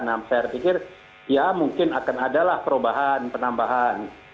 saya pikir ya mungkin akan adalah perubahan penambahan